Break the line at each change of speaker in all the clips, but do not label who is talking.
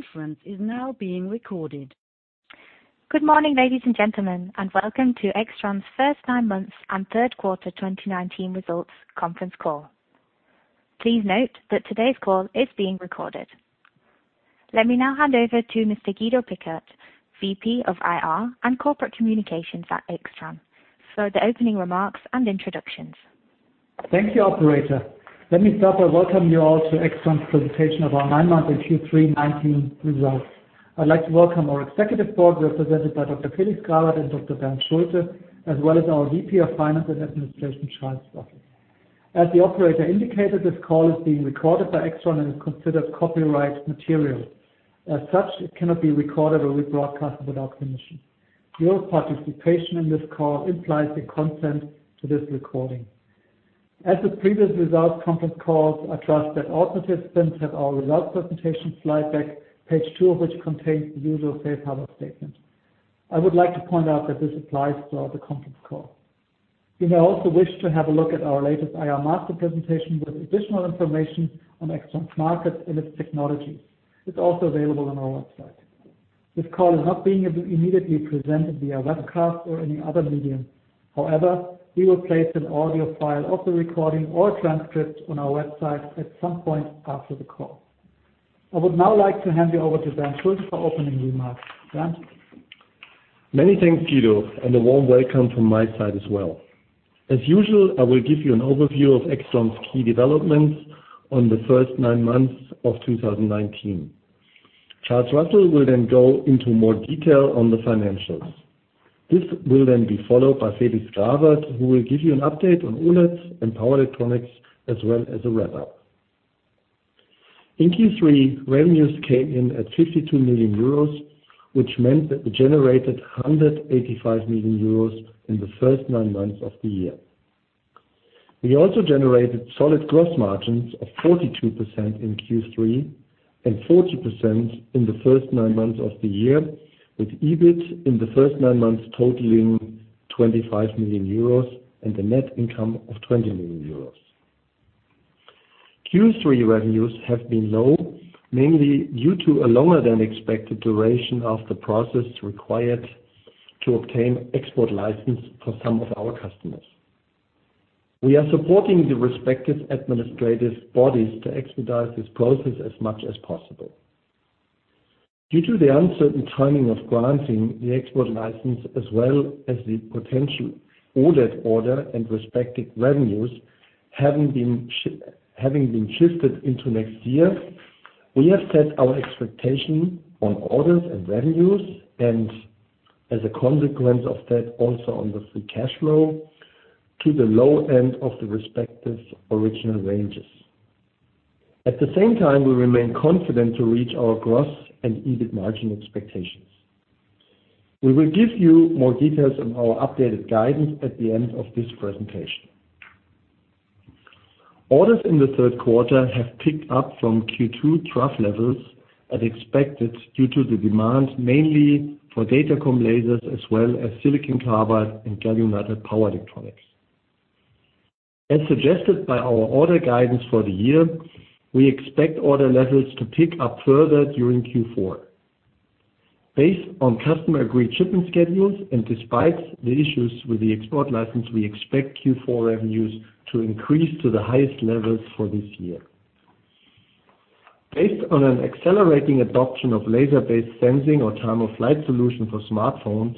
Conference is now being recorded.
Good morning, ladies and gentlemen, and welcome to AIXTRON's first nine months and third quarter 2019 results conference call. Please note that today's call is being recorded. Let me now hand over to Mr. Guido Pickert, VP of IR and Corporate Communications at AIXTRON, for the opening remarks and introductions.
Thank you, operator. Let me start by welcoming you all to AIXTRON's presentation of our nine-month and Q3 2019 results. I'd like to welcome our Executive Board, represented by Dr. Felix Grawert and Dr. Bernd Schulte, as well as our VP of Finance and Administration, Charles Russell. As the operator indicated, this call is being recorded by AIXTRON and is considered copyright material. As such, it cannot be recorded or rebroadcasted without permission. Your participation in this call implies your consent to this recording. As with previous results conference calls, I trust that all participants have our results presentation slide deck, page two of which contains the usual safe harbor statement. I would like to point out that this applies throughout the conference call. You may also wish to have a look at our latest IR master presentation with additional information on AIXTRON's market and its technologies. It's also available on our website. This call is not being immediately presented via webcast or any other medium. We will place an audio file of the recording or transcript on our website at some point after the call. I would now like to hand you over to Bernd Schulte for opening remarks. Bernd?
Many thanks, Guido, and a warm welcome from my side as well. As usual, I will give you an overview of AIXTRON's key developments on the first nine months of 2019. Charles Russell will go into more detail on the financials. This will be followed by Felix Grawert, who will give you an update on OLEDs and power electronics, as well as a wrap-up. In Q3, revenues came in at 52 million euros, which meant that we generated 185 million euros in the first nine months of the year. We also generated solid gross margins of 42% in Q3 and 40% in the first nine months of the year, with EBIT in the first nine months totaling 25 million euros and a net income of 20 million euros. Q3 revenues have been low, mainly due to a longer than expected duration of the process required to obtain export license for some of our customers. We are supporting the respective administrative bodies to expedite this process as much as possible. Due to the uncertain timing of granting the export license as well as the potential ordered order and respective revenues having been shifted into next year, we have set our expectation on orders and revenues, and as a consequence of that, also on the free cash flow to the low end of the respective original ranges. At the same time, we remain confident to reach our gross and EBIT margin expectations. We will give you more details on our updated guidance at the end of this presentation. Orders in the third quarter have picked up from Q2 trough levels as expected, due to the demand mainly for Datacom lasers as well as silicon carbide and gallium nitride power electronics. As suggested by our order guidance for the year, we expect order levels to pick up further during Q4. Based on customer-agreed shipping schedules and despite the issues with the export license, we expect Q4 revenues to increase to the highest levels for this year. Based on an accelerating adoption of laser-based sensing or time-of-flight solution for smartphones,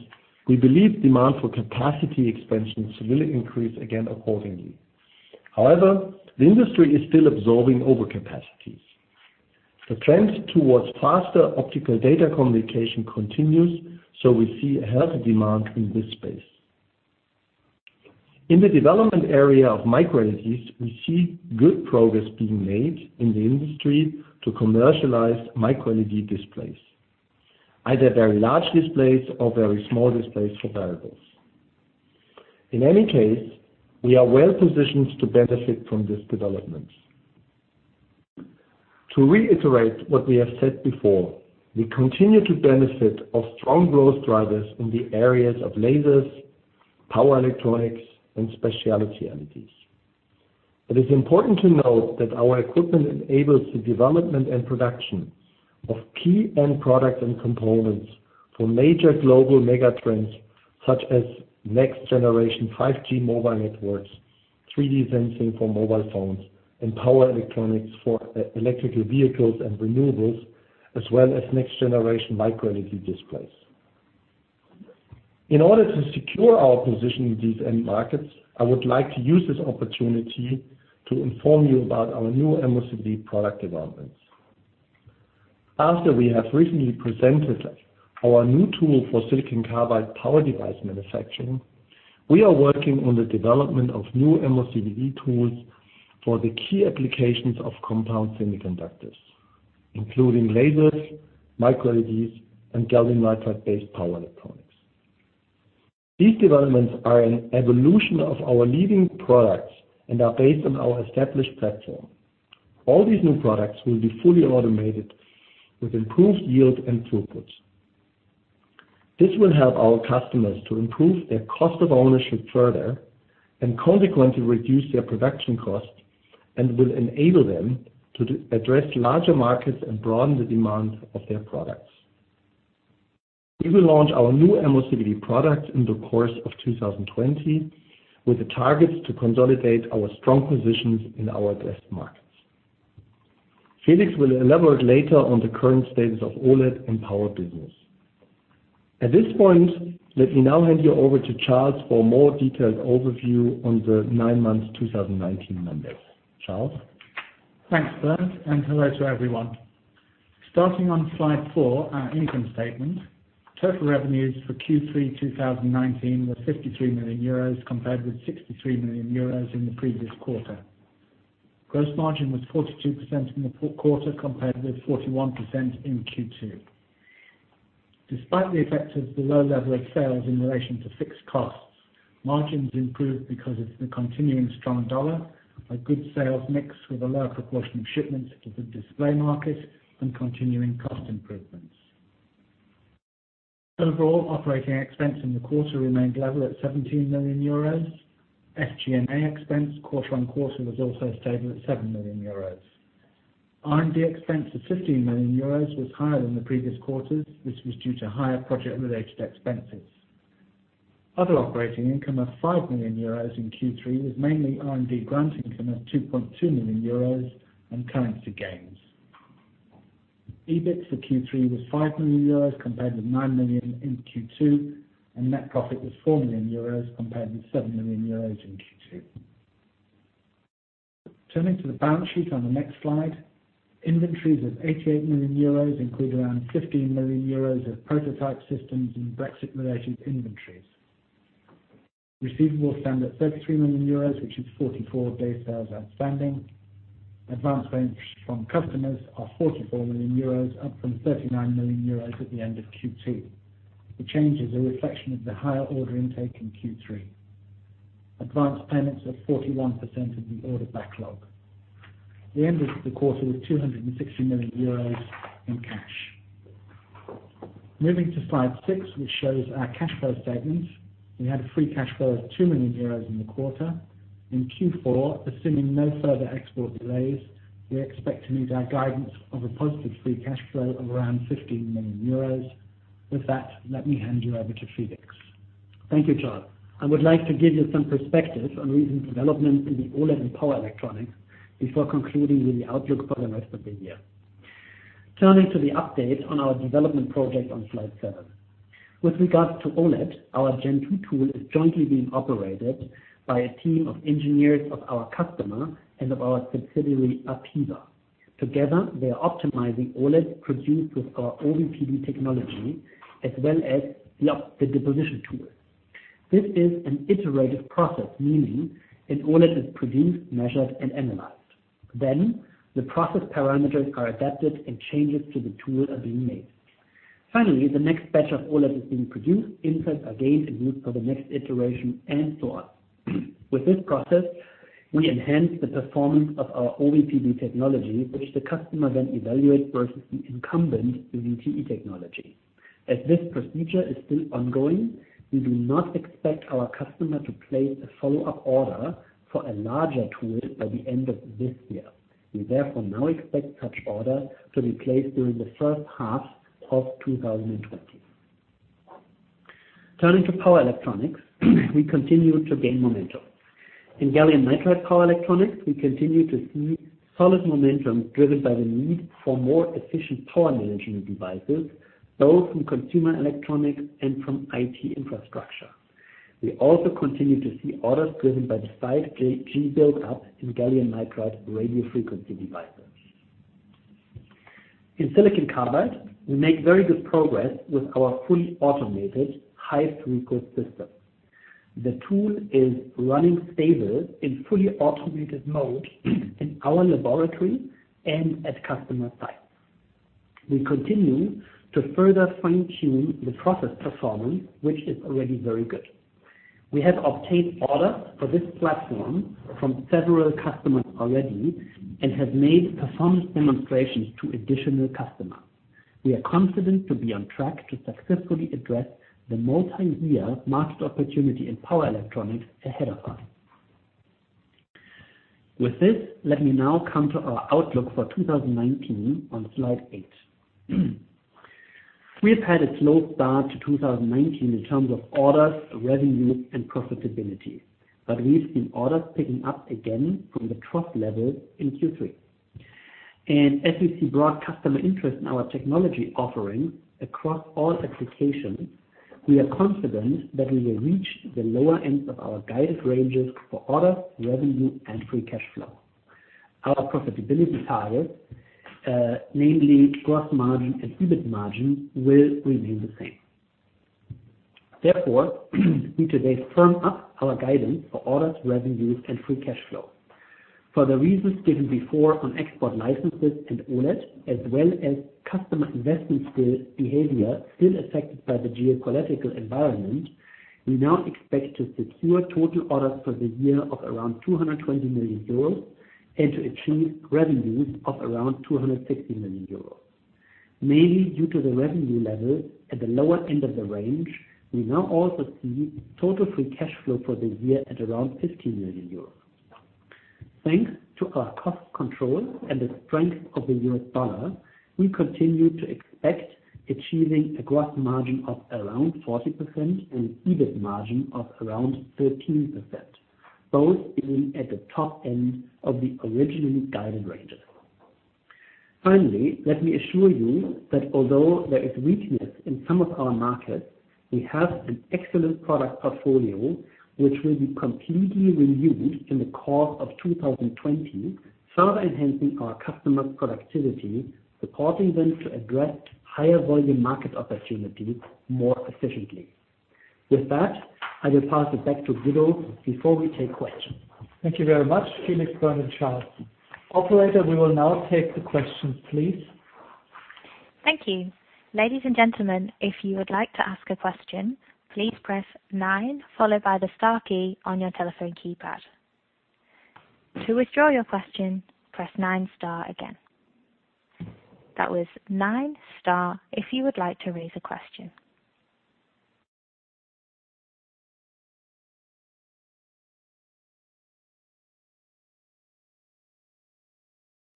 we believe demand for capacity expansions will increase again accordingly. The industry is still absorbing overcapacities. The trend towards faster optical data communication continues, so we see a healthy demand in this space. In the development area of microLEDs, we see good progress being made in the industry to commercialize microLED displays, either very large displays or very small displays for wearables. In any case, we are well positioned to benefit from this development. To reiterate what we have said before, we continue to benefit off strong growth drivers in the areas of lasers, power electronics, and specialty LEDs. It is important to note that our equipment enables the development and production of key end products and components for major global mega trends such as next generation 5G mobile networks, 3D sensing for mobile phones, and power electronics for electrical vehicles and renewables, as well as next generation microLED displays. In order to secure our position in these end markets, I would like to use this opportunity to inform you about our new MOCVD product developments. After we have recently presented our new tool for silicon carbide power device manufacturing, we are working on the development of new MOCVD tools for the key applications of compound semiconductors, including lasers, microLED, and gallium nitride-based power electronics. These developments are an evolution of our leading products and are based on our established platform. All these new products will be fully automated with improved yield and throughput. This will help our customers to improve their cost of ownership further and consequently reduce their production costs, and will enable them to address larger markets and broaden the demand of their products. We will launch our new MOCVD product in the course of 2020 with the targets to consolidate our strong positions in our best markets. Felix will elaborate later on the current status of OLED and power business. At this point, let me now hand you over to Charles for a more detailed overview on the nine months 2019 numbers. Charles?
Thanks, Bernd, hello to everyone. Starting on slide four, our income statement. Total revenues for Q3 2019 were 53 million euros compared with 63 million euros in the previous quarter. Gross margin was 42% in the quarter, compared with 41% in Q2. Despite the effect of the low level of sales in relation to fixed costs, margins improved because of the continuing strong dollar, a good sales mix with a lower proportion of shipments to the display market, and continuing cost improvements. Overall, operating expense in the quarter remained level at 17 million euros. SG&A expense quarter-on-quarter was also stable at 7 million euros. R&D expense of 15 million euros was higher than the previous quarters, which was due to higher project-related expenses. Other operating income of 5 million euros in Q3 was mainly R&D grant income of 2.2 million euros and currency gains. EBIT for Q3 was 5 million euros compared with 9 million in Q2. Net profit was 4 million euros compared with 7 million euros in Q2. Turning to the balance sheet on the next slide. Inventories of 88 million euros include around 15 million euros of prototype systems and Brexit-related inventories. Receivables stand at 33 million euros, which is 44 days sales outstanding. Advance payments from customers are 44 million euros, up from 39 million euros at the end of Q2. The change is a reflection of the higher order intake in Q3. Advance payments of 41% of the order backlog. We ended the quarter with 260 million euros in cash. Moving to slide six, which shows our cash flow statement. We had a free cash flow of 2 million euros in the quarter. In Q4, assuming no further export delays, we expect to meet our guidance of a positive free cash flow of around 15 million euros. With that, let me hand you over to Felix.
Thank you, Charles. I would like to give you some perspective on recent developments in the OLED and power electronics before concluding with the outlook for the rest of the year. Turning to the update on our development project on slide seven. With regards to OLED, our Gen2 tool is jointly being operated by a team of engineers of our customer and of our subsidiary, APEVA. Together, they are optimizing OLEDs produced with our OVPD technology as well as the deposition tool. This is an iterative process, meaning an OLED is produced, measured, and analyzed. The process parameters are adapted and changes to the tool are being made. Finally, the next batch of OLEDs is being produced, inserts are gained and used for the next iteration, and so on. With this process, we enhance the performance of our OVPD technology, which the customer then evaluates versus the incumbent using VTE technology. As this procedure is still ongoing, we do not expect our customer to place a follow-up order for a larger tool by the end of this year. We now expect such order to be placed during the first half of 2020. Turning to power electronics, we continue to gain momentum. In gallium nitride power electronics, we continue to see solid momentum driven by the need for more efficient power management devices, both from consumer electronics and from IT infrastructure. We also continue to see orders driven by the 5G build-up in gallium nitride radio frequency devices. In silicon carbide, we make very good progress with our fully automated high-throughput system. The tool is running stable in fully automated mode in our laboratory and at customer sites. We continue to further fine-tune the process performance, which is already very good. We have obtained orders for this platform from several customers already and have made performance demonstrations to additional customers. We are confident to be on track to successfully address the multiyear market opportunity in power electronics ahead of time. With this, let me now come to our outlook for 2019 on slide eight. We've had a slow start to 2019 in terms of orders, revenue, and profitability, but we've seen orders picking up again from the trough level in Q3. As we see broad customer interest in our technology offering across all applications, we are confident that we will reach the lower end of our guidance ranges for orders, revenue, and free cash flow. Our profitability targets, namely gross margin and EBIT margin, will remain the same. Therefore, we today firm up our guidance for orders, revenues, and free cash flow. For the reasons given before on export licenses and OLED, as well as customer investment behavior still affected by the geopolitical environment, we now expect to secure total orders for the year of around 220 million euros and to achieve revenues of around 260 million euros. Mainly due to the revenue level at the lower end of the range, we now also see total free cash flow for the year at around 15 million euros. Thanks to our cost control and the strength of the US dollar, we continue to expect achieving a gross margin of around 40% and EBIT margin of around 13%, both being at the top end of the originally guided ranges. Finally, let me assure you that although there is weakness in some of our markets, we have an excellent product portfolio, which will be completely renewed in the course of 2020, further enhancing our customers' productivity, supporting them to address higher volume market opportunities more efficiently. With that, I will pass it back to Guido before we take questions.
Thank you very much, Felix Grawert and Bernd Schulte. Operator, we will now take the questions, please.
Thank you. Ladies and gentlemen, if you would like to ask a question, please press nine followed by the star key on your telephone keypad. To withdraw your question, press nine star again. That was nine star if you would like to raise a question.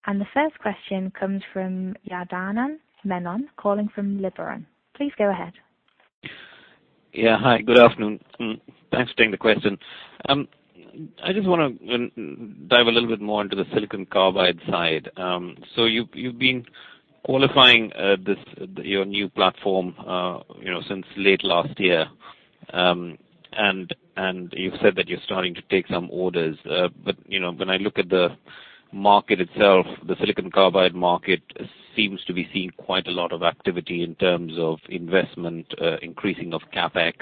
The first question comes from Janardan Menon, calling from Liberum. Please go ahead.
Yeah. Hi, good afternoon. Thanks for taking the question. I just want to dive a little bit more into the silicon carbide side. You've been qualifying your new platform since late last year. You've said that you're starting to take some orders. When I look at the market itself, the silicon carbide market seems to be seeing quite a lot of activity in terms of investment, increasing of CapEx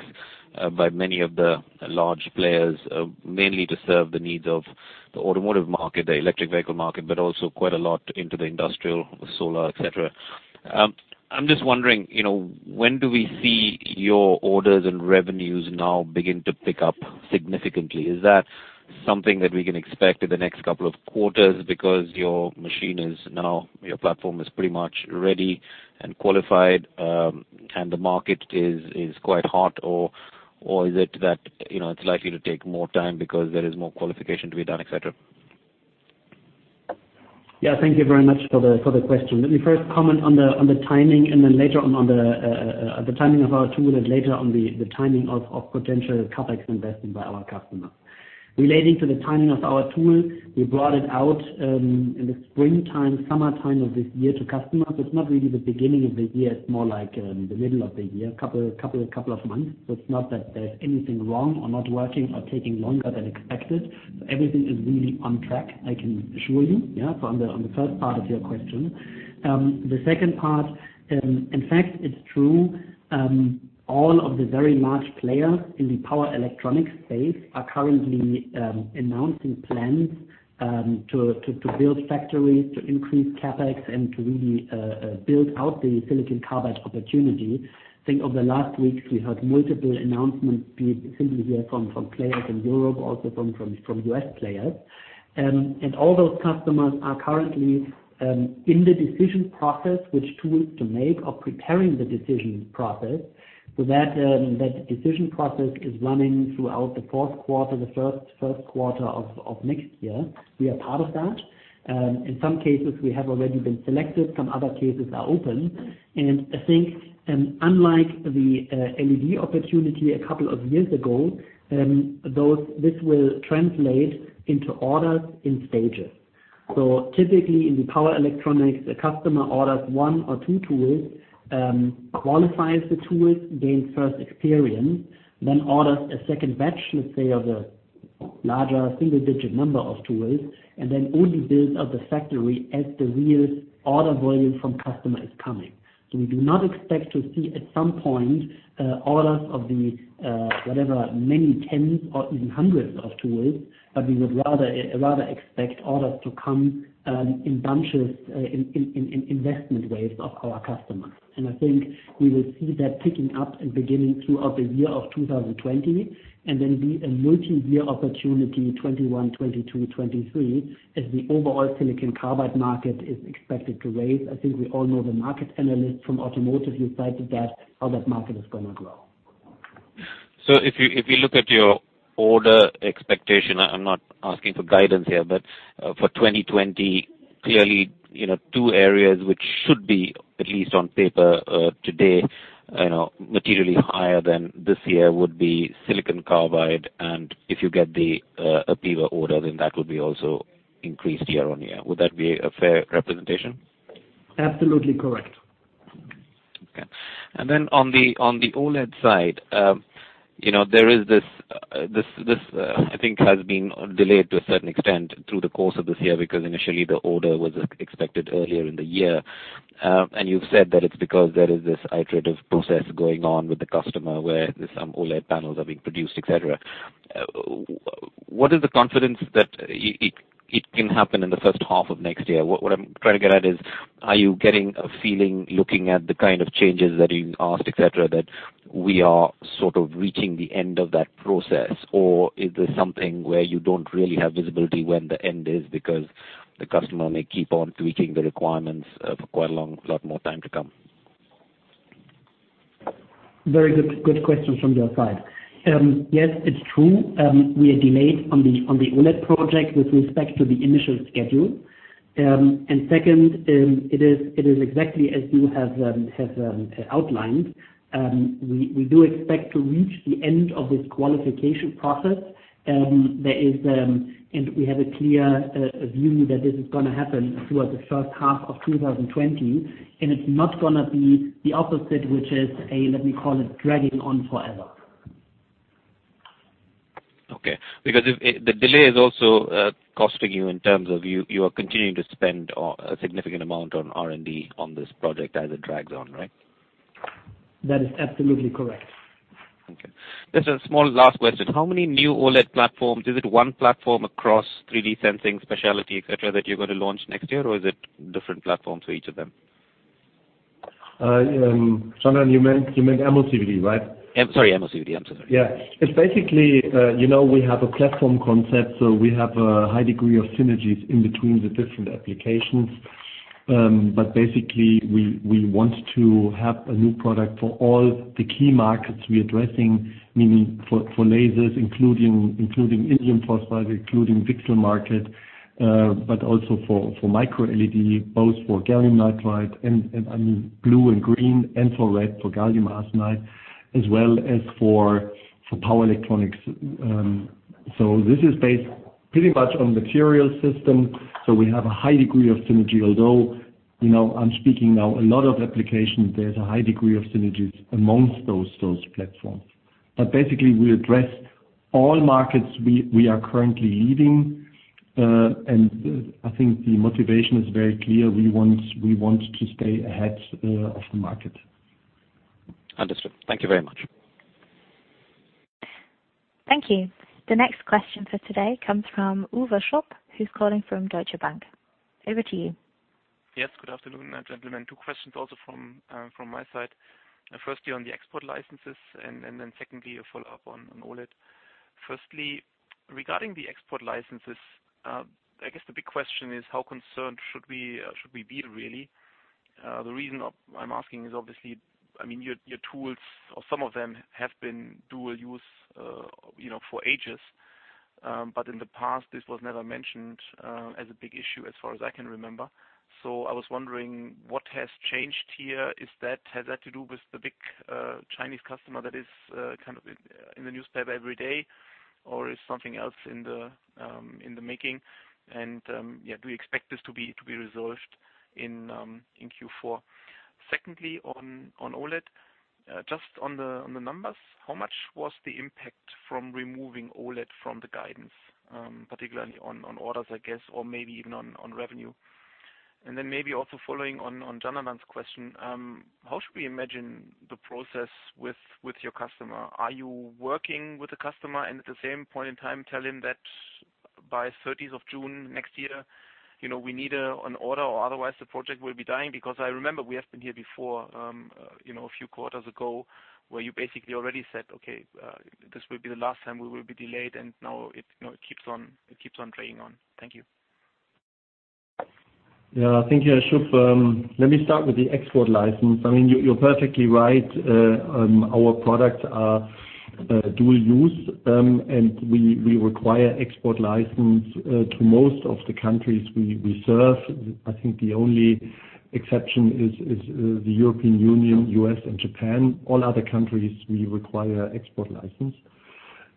by many of the large players, mainly to serve the needs of the automotive market, the electric vehicle market, but also quite a lot into the industrial, solar, et cetera. I'm just wondering, when do we see your orders and revenues now begin to pick up significantly? Is that something that we can expect in the next couple of quarters because your machine is now, your platform is pretty much ready and qualified, and the market is quite hot? Is it that it's likely to take more time because there is more qualification to be done, et cetera?
Yeah, thank you very much for the question. Let me first comment on the timing, and then later on the timing of our tool, and later on the timing of potential CapEx investment by our customers. Relating to the timing of our tool, we brought it out in the springtime, summertime of this year to customers. It's not really the beginning of the year, it's more like the middle of the year, a couple of months. It's not that there's anything wrong or not working or taking longer than expected. Everything is really on track, I can assure you, yeah, so on the first part of your question. The second part, in fact, it's true, all of the very large players in the power electronics space are currently announcing plans to build factories, to increase CapEx, and to really build out the silicon carbide opportunity. I think over the last weeks, we heard multiple announcements, be it simply here from players in Europe, also from U.S. players. All those customers are currently in the decision process which tools to make or preparing the decision process. That decision process is running throughout the fourth quarter, the first quarter of next year. We are part of that. In some cases, we have already been selected, some other cases are open. I think, unlike the LED opportunity a couple of years ago, this will translate into orders in stages. Typically, in the power electronics, a customer orders one or two tools, qualifies the tools, gains first experience, then orders a second batch, let's say, of a larger single-digit number of tools, and then only builds out the factory as the real order volume from customer is coming. We do not expect to see at some point, orders of the, whatever, many tens or even hundreds of tools, but we would rather expect orders to come in bunches, in investment waves of our customers. I think we will see that picking up in beginning throughout the year of 2020, then be a multi-year opportunity in 2021, 2022, 2023, as the overall silicon carbide market is expected to raise. I think we all know the market analyst from automotive who cited that, how that market is going to grow.
If you look at your order expectation, I'm not asking for guidance here, but for 2020, clearly, two areas which should be at least on paper today, materially higher than this year would be silicon carbide, and if you get the APEVA order, then that would be also increased year-on-year. Would that be a fair representation?
Absolutely correct.
Okay. On the OLED side, there is this, I think has been delayed to a certain extent through the course of this year, because initially the order was expected earlier in the year. You've said that it's because there is this iterative process going on with the customer where some OLED panels are being produced, et cetera. What is the confidence that it can happen in the first half of next year? What I'm trying to get at is, are you getting a feeling looking at the kind of changes that you asked, et cetera, that we are sort of reaching the end of that process? Or is this something where you don't really have visibility when the end is because the customer may keep on tweaking the requirements for quite a long lot more time to come?
Very good question from your side. Yes, it's true. We are delayed on the OLED project with respect to the initial schedule. Second, it is exactly as you have outlined. We do expect to reach the end of this qualification process. We have a clear view that this is going to happen towards the first half of 2020, and it's not going to be the opposite, which is a, let me call it, dragging on forever.
Okay. The delay is also costing you in terms of you are continuing to spend a significant amount on R&D on this project as it drags on, right?
That is absolutely correct.
Okay. Just a small last question. How many new OLED platforms, is it one platform across 3D sensing, specialty, et cetera, that you're going to launch next year, or is it different platforms for each of them?
Jan, you meant MOCVD, right?
Sorry, MOCVD. I'm so sorry.
Yeah. It's basically, we have a platform concept, we have a high degree of synergies in between the different applications. Basically, we want to have a new product for all the key markets we are addressing, meaning for lasers, including indium phosphide, including VCSEL market, also for microLED, both for gallium nitride and, I mean, blue and green, and for red for gallium arsenide, as well as for power electronics. This is based pretty much on material system. We have a high degree of synergy. Although, I'm speaking now a lot of applications, there's a high degree of synergies amongst those platforms. Basically, we address all markets we are currently leading. I think the motivation is very clear. We want to stay ahead of the market.
Understood. Thank you very much.
Thank you. The next question for today comes from Uwe Schupp, who's calling from Deutsche Bank. Over to you.
Yes, good afternoon, gentlemen. Two questions also from my side. Firstly, on the export licenses. Secondly, a follow-up on OLED. Firstly, regarding the export licenses, I guess the big question is how concerned should we be, really? The reason I'm asking is obviously, your tools or some of them have been dual-use for ages. In the past, this was never mentioned as a big issue as far as I can remember. I was wondering what has changed here. Has that to do with the big Chinese customer that is in the newspaper every day, or is something else in the making? Yeah, do you expect this to be resolved in Q4? Secondly, on OLED, just on the numbers, how much was the impact from removing OLED from the guidance, particularly on orders, I guess, or maybe even on revenue? Maybe also following on Malte Schaumann's question, how should we imagine the process with your customer? Are you working with the customer and at the same point in time tell him that by 30th of June next year, we need an order or otherwise the project will be dying? Because I remember we have been here before a few quarters ago where you basically already said, "Okay, this will be the last time we will be delayed," and now it keeps on playing on. Thank you.
Thank you, Schupp. Let me start with the export license. You're perfectly right. Our products are dual-use, and we require export license to most of the countries we serve. I think the only exception is the European Union, U.S., and Japan. All other countries, we require export license.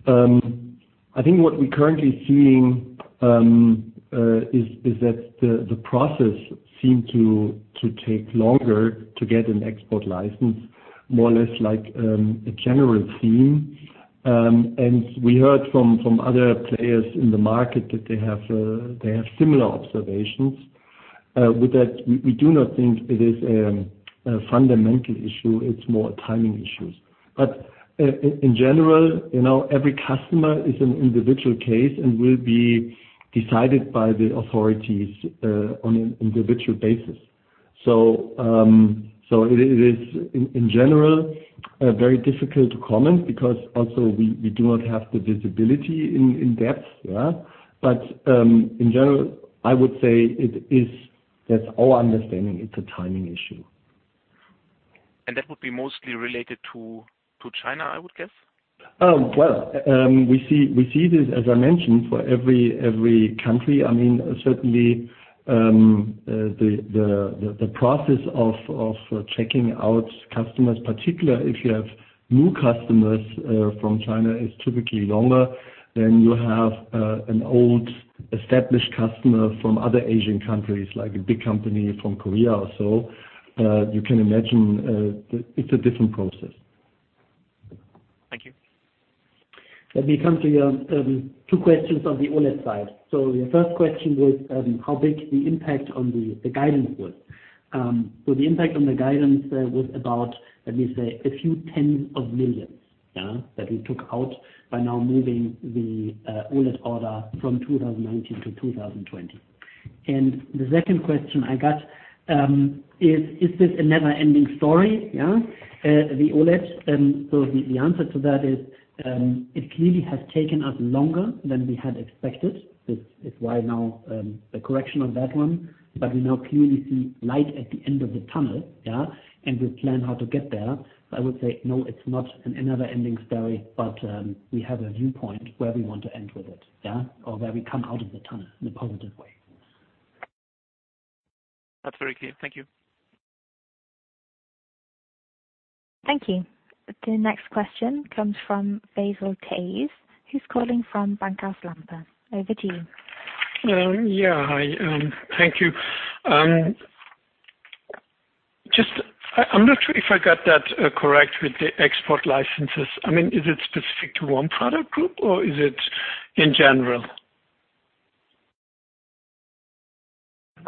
I think what we're currently seeing is that the process seem to take longer to get an export license, more or less like a general theme. We heard from other players in the market that they have similar observations. With that, we do not think it is a fundamental issue. It's more timing issues. In general, every customer is an individual case and will be decided by the authorities on an individual basis. It is in general very difficult to comment because also we do not have the visibility in depth. In general, I would say that our understanding, it's a timing issue.
That would be mostly related to China, I would guess?
Well, we see this, as I mentioned, for every country. Certainly, the process of checking out customers, particularly if you have new customers from China, is typically longer than you have an old established customer from other Asian countries, like a big company from Korea or so. You can imagine it's a different process.
Thank you.
Let me come to your two questions on the OLED side. Your first question was how big the impact on the guidance was. The impact on the guidance was about, let me say, a few EUR tens of millions that we took out by now moving the OLED order from 2019 to 2020. The second question I got is, Is this a never-ending story? Yeah. The OLED. The answer to that is, it clearly has taken us longer than we had expected. This is why now the correction on that one, but we now clearly see light at the end of the tunnel, yeah. We plan how to get there. I would say, no, it's not a never-ending story, but we have a viewpoint where we want to end with it. Yeah. Where we come out of the tunnel in a positive way.
That's very clear. Thank you.
Thank you. The next question comes from Basil Taiz, who's calling from Bankhaus Lampe. Over to you.
Yeah. Hi. Thank you. Just, I'm not sure if I got that correct with the export licenses. Is it specific to one product group, or is it in general?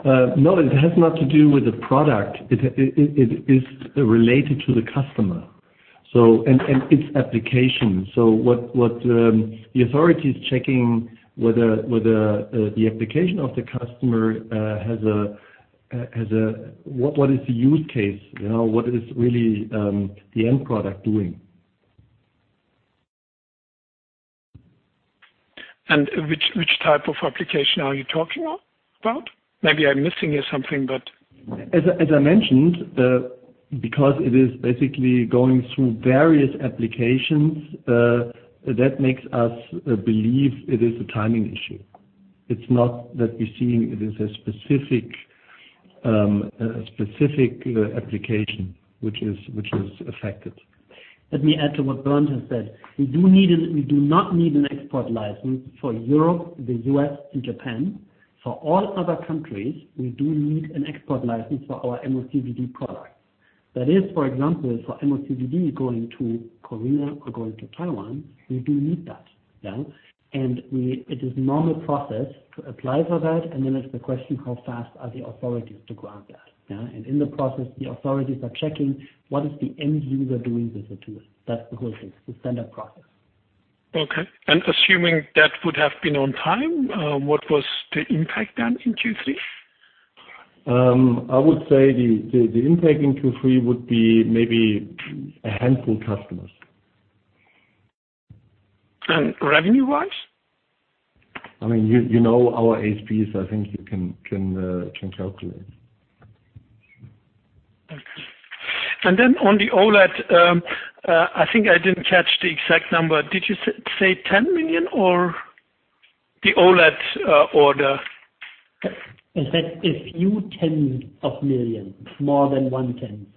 It has not to do with the product. It is related to the customer, and its application. What the authority is checking whether the application of the customer, what is the use case? What is really the end product doing?
Which type of application are you talking about? Maybe I'm missing here something, but
As I mentioned, because it is basically going through various applications, that makes us believe it is a timing issue. It's not that we're seeing it is a specific application which is affected.
Let me add to what Bernd has said. We do not need an export license for Europe, the U.S., and Japan. For all other countries, we do need an export license for our MOCVD products. That is, for example, for MOCVD going to Korea or going to Taiwan, we do need that. Yeah. It is normal process to apply for that, and then it's the question, how fast are the authorities to grant that? Yeah. In the process, the authorities are checking what is the end user doing with the tool. That's the whole thing, the standard process.
Okay. Assuming that would have been on time, what was the impact then in Q3?
I would say the impact in Q3 would be maybe a handful customers.
Revenue-wise?
You know our ASPs, I think you can calculate.
Okay. On the OLED, I think I didn't catch the exact number. Did you say 10 million or The OLED order?
I said a few EUR 10 of million, more than one EUR 10.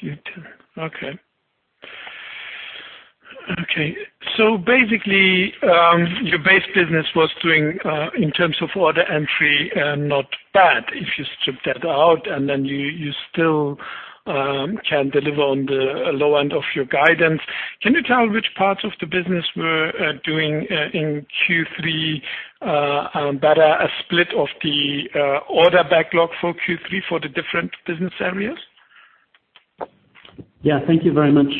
Few 10. Okay. Basically, your base business was doing, in terms of order entry, not bad. If you strip that out, and then you still can deliver on the low end of your guidance. Can you tell which parts of the business were doing, in Q3, better a split of the order backlog for Q3 for the different business areas?
Thank you very much.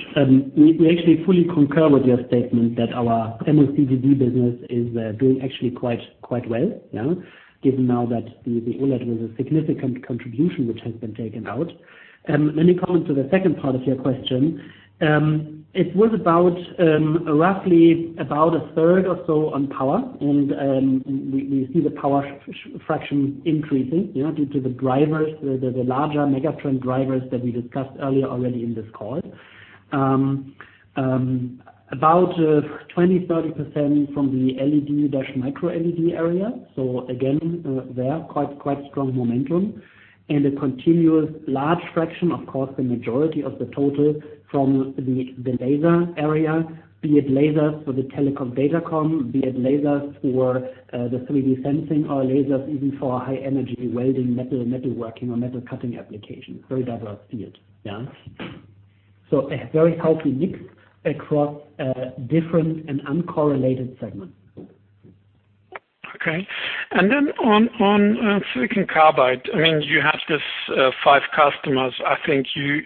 We actually fully concur with your statement that our MOCVD business is doing actually quite well. Given now that the OLED was a significant contribution, which has been taken out. Let me come to the second part of your question. It was about roughly a third or so on power. We see the power fraction increasing due to the drivers, the larger megatrend drivers that we discussed earlier already in this call. About 20%-30% from the LED-microLED area. Again, there, quite strong momentum. A continuous large fraction, of course, the majority of the total from the laser area, be it lasers for the telecom/Datacom, be it lasers for the 3D sensing or lasers even for high-energy welding, metal working, or metal cutting application. Very diverse field. A very healthy mix across different and uncorrelated segments.
On silicon carbide, you have this five customers. I think you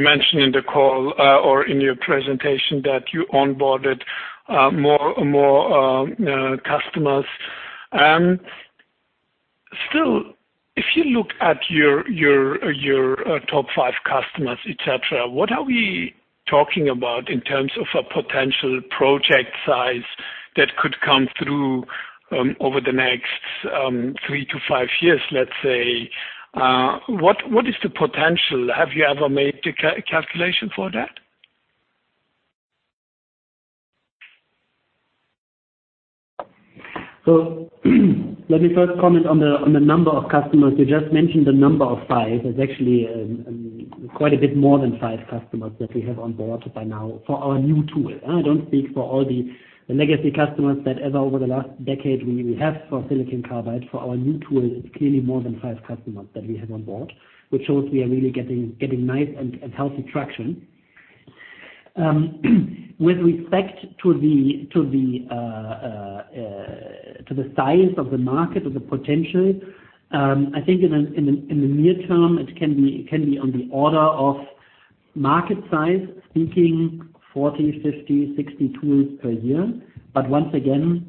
mentioned in the call or in your presentation that you onboarded more customers. Still, if you look at your top five customers, et cetera, what are we talking about in terms of a potential project size that could come through over the next three to five years, let's say? What is the potential? Have you ever made a calculation for that?
Let me first comment on the number of customers. You just mentioned the number of five. There's actually quite a bit more than five customers that we have on board by now for our new tool. I don't speak for all the legacy customers that over the last decade we have for silicon carbide. For our new tool, it's clearly more than five customers that we have on board, which shows we are really getting nice and healthy traction. With respect to the size of the market or the potential, I think in the near term, it can be on the order of market size, thinking 40, 50, 60 tools per year. Once again,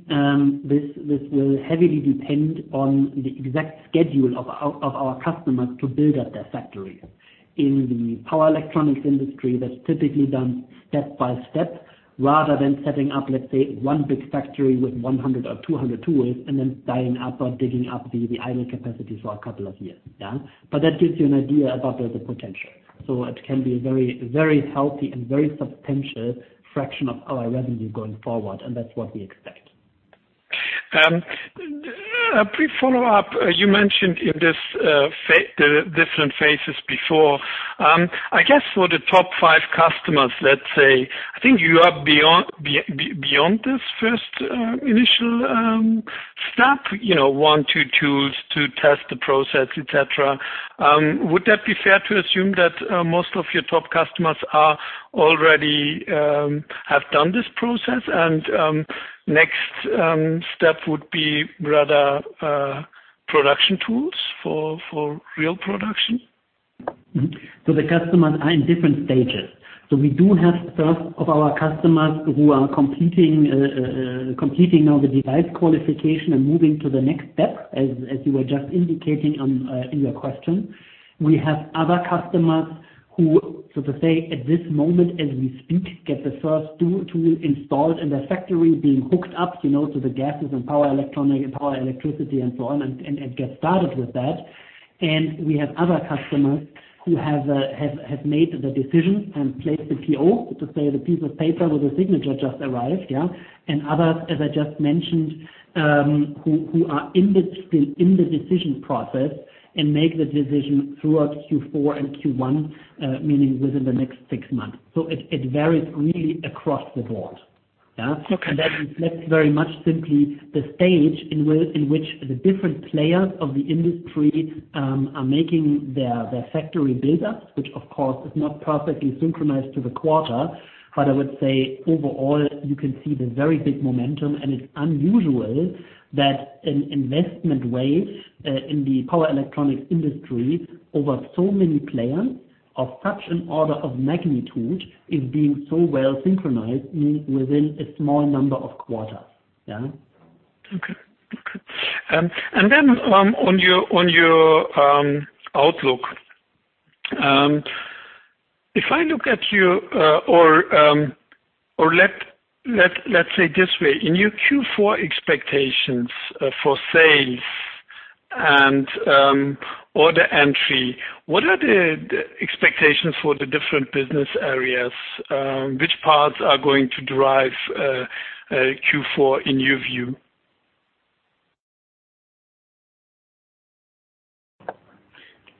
this will heavily depend on the exact schedule of our customers to build up their factories. In the power electronics industry, that's typically done step by step rather than setting up, let's say, one big factory with 100 or 200 tools and then tying up or digging up the idle capacity for a couple of years. That gives you an idea about the potential. It can be a very healthy and very substantial fraction of our revenue going forward, and that's what we expect.
A quick follow-up. You mentioned the different phases before. I guess for the top five customers, let's say, I think you are beyond this first initial step, one, two tools to test the process, et cetera. Would that be fair to assume that most of your top customers already have done this process and next step would be rather production tools for real production?
The customers are in different stages. We do have first of our customers who are completing now the device qualification and moving to the next step, as you were just indicating in your question. We have other customers who, so to say, at this moment as we speak, get the first tool installed in their factory, being hooked up to the gases and power electronic and power electricity and so on, and get started with that. We have other customers who have made the decision and placed the PO, so to say, the piece of paper with the signature just arrived. Others, as I just mentioned, who are still in the decision process and make the decision throughout Q4 and Q1, meaning within the next six months. It varies really across the board.
Okay.
That reflects very much simply the stage in which the different players of the industry are making their factory build-ups, which of course is not perfectly synchronized to the quarter. I would say overall, you can see the very big momentum, and it's unusual that an investment wave in the power electronics industry over so many players of such an order of magnitude is being so well synchronized within a small number of quarters.
Okay. On your outlook, if I look at you or let's say this way, in your Q4 expectations for sales and order entry, what are the expectations for the different business areas? Which parts are going to drive Q4 in your view?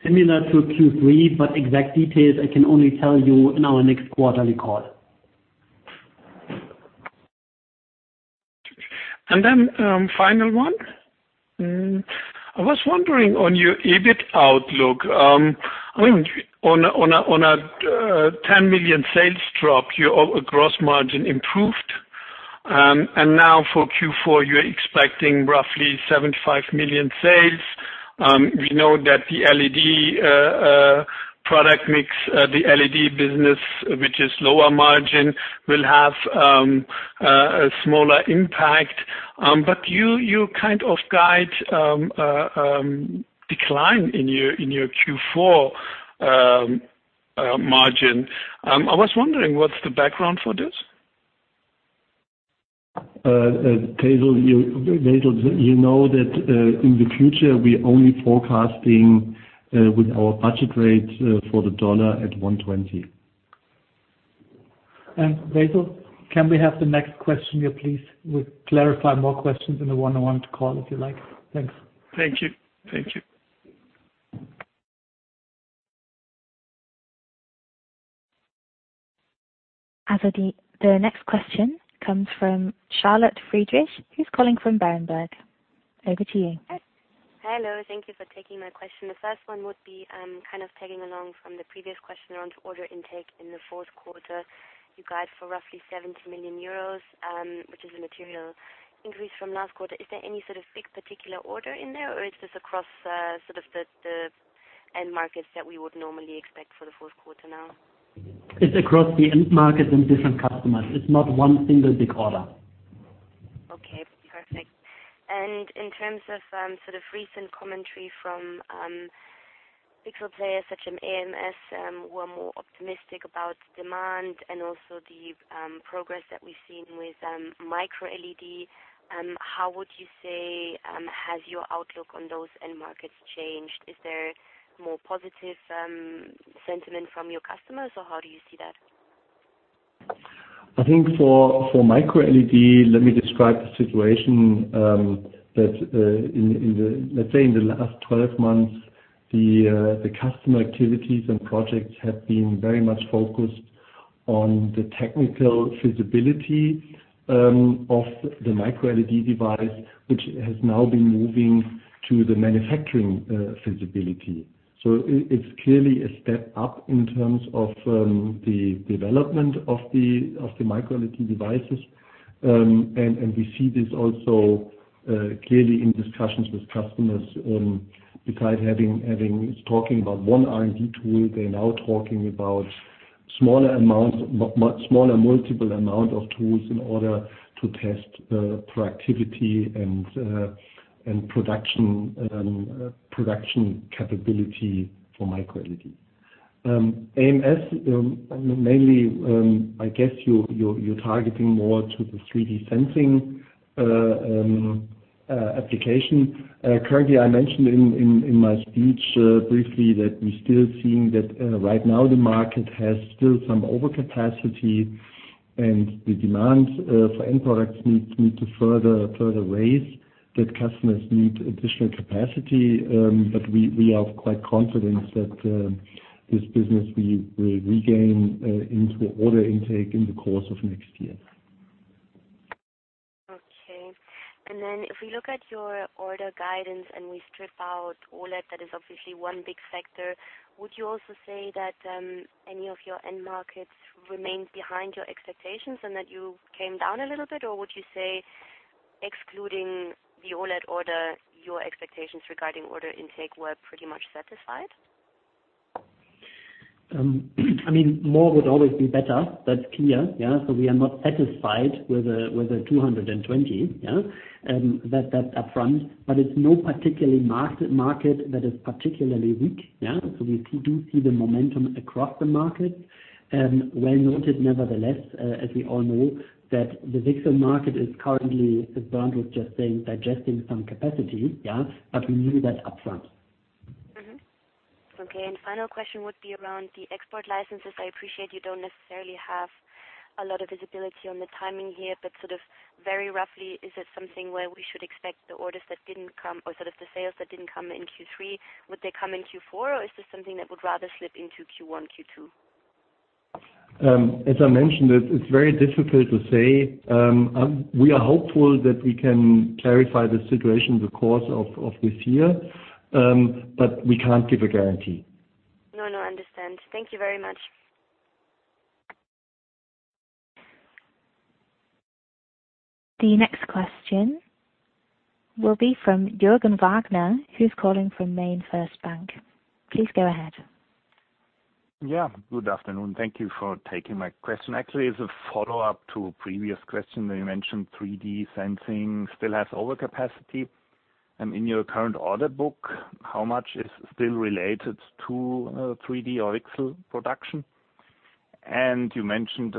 Similar to Q3, exact details I can only tell you in our next quarterly call.
Final one. I was wondering on your EBIT outlook. On a 10 million sales drop, your gross margin improved. For Q4, you're expecting roughly 75 million sales. We know that the LED product mix, the LED business, which is lower margin, will have a smaller impact. You guide decline in your Q4 margin. I was wondering what's the background for this?
Basil, you know that in the future, we're only forecasting with our budget rate for the dollar at $120.
Basil, can we have the next question here, please? We clarify more questions in the one-on-one call, if you like. Thanks.
Thank you.
The next question comes from Charlotte Friedrichs, who's calling from Berenberg. Over to you.
Hello. Thank you for taking my question. The first one would be tagging along from the previous question around order intake in the fourth quarter. You guide for roughly 70 million euros, which is a material increase from last quarter. Is there any sort of big particular order in there, or is this across the end markets that we would normally expect for the fourth quarter now?
It's across the end markets and different customers. It's not one single big order.
Okay, perfect. In terms of recent commentary from VCSEL players such as ams, who are more optimistic about demand and also the progress that we've seen with microLED, how would you say has your outlook on those end markets changed? Is there more positive sentiment from your customers, or how do you see that?
I think for microLED, let me describe the situation that in the, let's say in the last 12 months, the customer activities and projects have been very much focused on the technical feasibility of the microLED device, which has now been moving to the manufacturing feasibility. It's clearly a step up in terms of the development of the microLED devices. We see this also clearly in discussions with customers. Besides talking about one R&D tool, they're now talking about smaller multiple amount of tools in order to test productivity and production capability for microLED. ams, mainly, I guess you're targeting more to the 3D sensing application. Currently, I mentioned in my speech briefly that we're still seeing that right now the market has still some overcapacity, and the demand for end products need to further raise that customers need additional capacity. We are quite confident that this business will regain into order intake in the course of next year.
Okay. If we look at your order guidance and we strip out all that is obviously one big factor. Would you also say that any of your end markets remained behind your expectations and that you came down a little bit? Would you say excluding the OLED order, your expectations regarding order intake were pretty much satisfied?
More would always be better. That's clear. We are not satisfied with the 220. That's upfront, it's no particular market that is particularly weak. We do see the momentum across the market. Well noted, nevertheless, as we all know that the VCSEL market is currently, as Bernd was just saying, digesting some capacity. We knew that upfront.
Mm-hmm. Okay, final question would be around the export licenses. I appreciate you don't necessarily have a lot of visibility on the timing here, but sort of very roughly, is it something where we should expect the orders that didn't come or sort of the sales that didn't come in Q3, would they come in Q4? Or is this something that would rather slip into Q1, Q2?
As I mentioned, it is very difficult to say. We are hopeful that we can clarify the situation in the course of this year, but we cannot give a guarantee.
No, I understand. Thank you very much.
The next question will be from Jürgen Wagner, who's calling from MainFirst Bank. Please go ahead.
Good afternoon. Thank you for taking my question. Actually, it's a follow-up to a previous question that you mentioned 3D sensing still has overcapacity. In your current order book, how much is still related to 3D or VCSEL production? You mentioned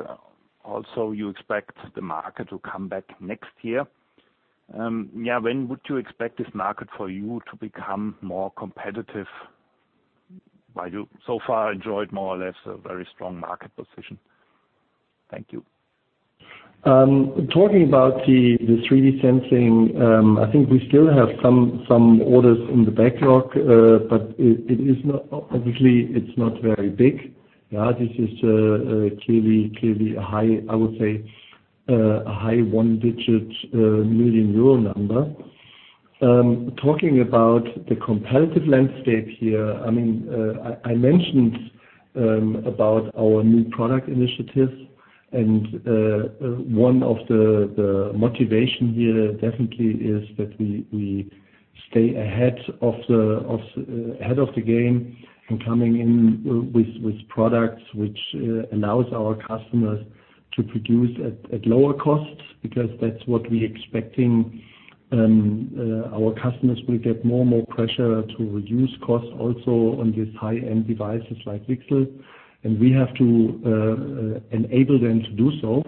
also you expect the market to come back next year. When would you expect this market for you to become more competitive while you so far enjoyed more or less a very strong market position? Thank you.
Talking about the 3D sensing, I think we still have some orders in the backlog, but obviously it's not very big. This is clearly a high, I would say, a high one-digit million EUR number. Talking about the competitive landscape here, I mentioned about our new product initiatives, and one of the motivation here definitely is that we stay ahead of the game and coming in with products which allows our customers to produce at lower costs, because that's what we expecting. Our customers will get more and more pressure to reduce costs also on these high-end devices like VCSEL, and we have to enable them to do so.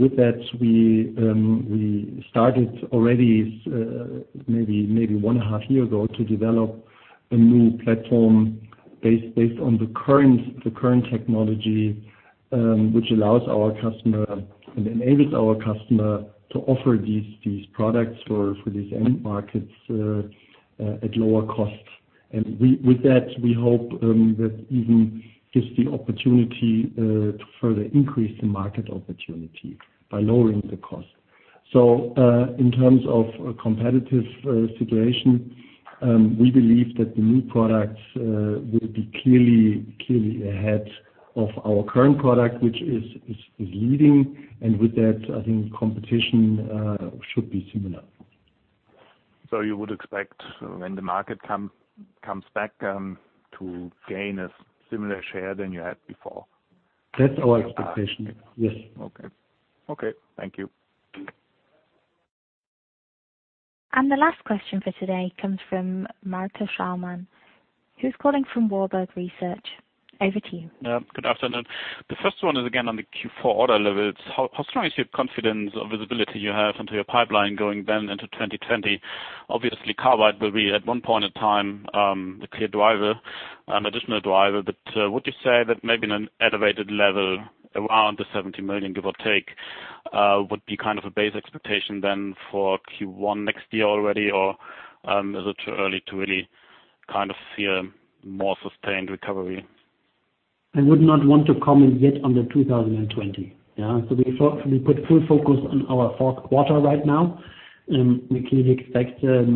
With that, we started already maybe one and a half year ago to develop a new platform based on the current technology, which allows our customer and enables our customer to offer these products for these end markets at lower costs. With that, we hope that even gives the opportunity to further increase the market opportunity by lowering the cost. In terms of competitive situation, we believe that the new products will be clearly ahead of our current product, which is leading. With that, I think competition should be similar.
You would expect when the market comes back to gain a similar share than you had before?
That's our expectation, yes.
Okay. Thank you.
The last question for today comes from Malte Schaumann, who's calling from Warburg Research. Over to you.
Good afternoon. The first one is again on the Q4 order levels. How strong is your confidence or visibility you have onto your pipeline going then into 2020? Obviously, carbide will be at one point in time, the clear driver, an additional driver, but would you say that maybe in an elevated level around the 70 million, give or take, would be kind of a base expectation then for Q1 next year already, or is it too early to really kind of see a more sustained recovery?
I would not want to comment yet on the 2020. We put full focus on our fourth quarter right now. We clearly expect, as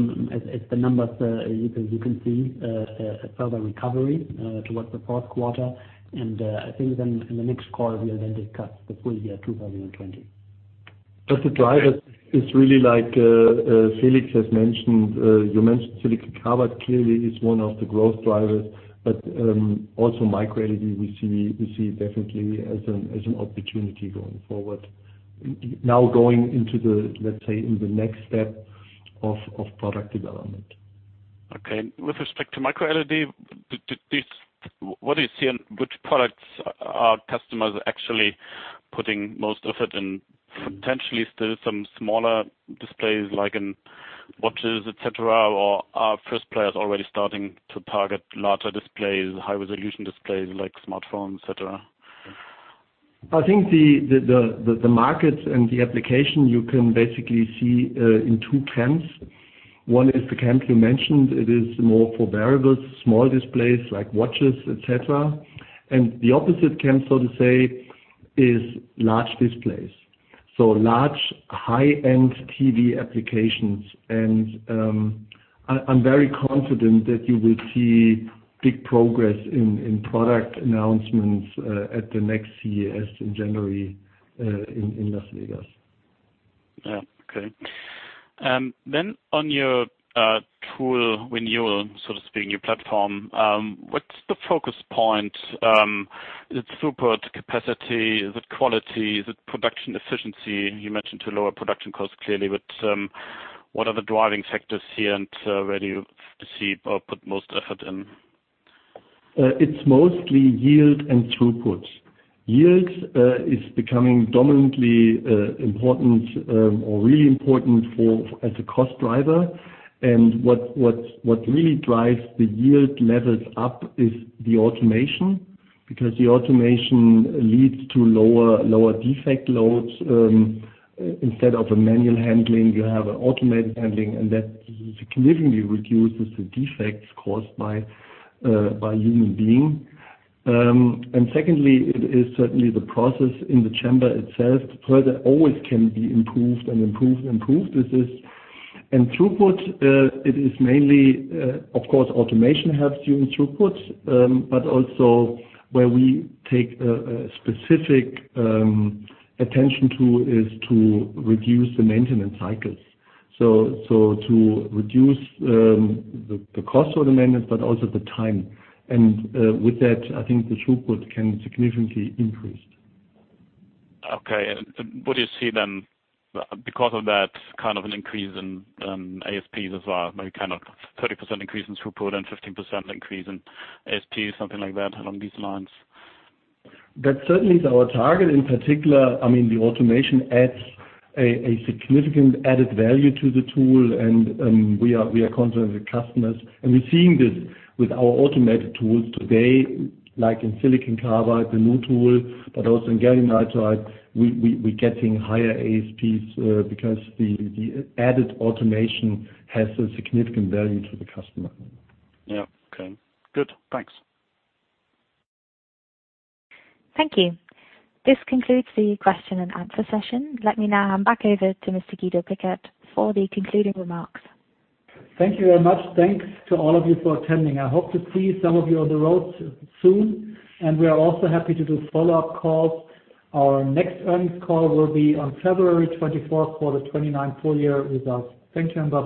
the numbers you can see, a further recovery towards the fourth quarter, and I think then in the next call, we will then discuss the full year 2020.
The drivers is really like Felix has mentioned. You mentioned silicon carbide clearly is one of the growth drivers, but also microLED, we see definitely as an opportunity going forward. Now going into the, let's say, in the next step of product development.
Okay. With respect to microLED, what do you see in which products are customers actually putting most effort in? Potentially still some smaller displays, like in watches, et cetera, or are first players already starting to target larger displays, high-resolution displays, like smartphones, et cetera?
I think the market and the application you can basically see in two camps. One is the camp you mentioned. It is more for wearables, small displays like watches, et cetera. The opposite camp, so to say, is large displays. Large, high-end TV applications. I'm very confident that you will see big progress in product announcements at the next CES in January, in Las Vegas.
Yeah. Okay. On your tool renewal, so to speak, new platform, what's the focus point? It's throughput capacity? Is it quality? Is it production efficiency? You mentioned to lower production costs clearly, what are the driving factors here? Where do you see or put most effort in?
It's mostly yield and throughput. Yield is becoming dominantly important or really important as a cost driver. What really drives the yield levels up is the automation, because the automation leads to lower defect loads. Instead of a manual handling, you have automated handling, and that significantly reduces the defects caused by human being. Secondly, it is certainly the process in the chamber itself to further always can be improved. Throughput, it is mainly, of course, automation helps you in throughput. Also where we take a specific attention to is to reduce the maintenance cycles. To reduce the cost of the maintenance but also the time. With that, I think the throughput can significantly increase.
Okay. What do you see then, because of that kind of an increase in ASPs as well, maybe kind of 30% increase in throughput and 15% increase in ASP, something like that along these lines?
That certainly is our target. In particular, the automation adds a significant added value to the tool, and we are concerned with the customers. We're seeing this with our automated tools today, like in silicon carbide, the new tool, but also in gallium nitride. We're getting higher ASPs, because the added automation has a significant value to the customer.
Yeah. Okay. Good. Thanks.
Thank you. This concludes the question and answer session. Let me now hand back over to Mr. Guido Pikert for the concluding remarks.
Thank you very much. Thanks to all of you for attending. I hope to see some of you on the road soon. We are also happy to do follow-up calls. Our next earnings call will be on February 24th for the 2019 full year results. Thank you and bye-bye.